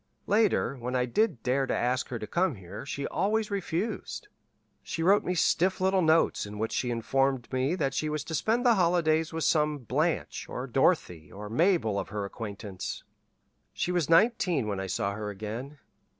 Later, when I did dare to ask her to come here, she always refused. She wrote me stiff little notes in which she informed me that she was to spend the holidays with some Blanche or Dorothy or Mabel of her acquaintance. "She was nineteen when I saw her again.